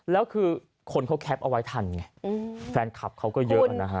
แล้วคือคนเขาแคปเอาไว้ทันไงแฟนคลับเขาก็เยอะนะฮะ